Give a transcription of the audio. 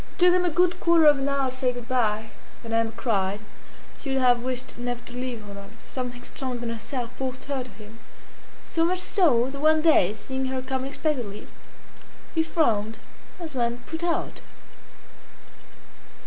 It took them a good quarter of an hour to say goodbye. Then Emma cried. She would have wished never to leave Rodolphe. Something stronger than herself forced her to him; so much so, that one day, seeing her come unexpectedly, he frowned as one put out.